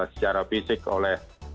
secara fisik oleh